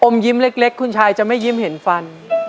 ยิ้มเล็กคุณชายจะไม่ยิ้มเห็นฟัน